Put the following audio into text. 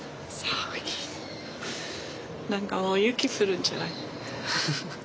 何かもう雪降るんじゃない？